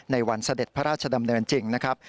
วันเสด็จพระราชดำเนินจริงนะครับ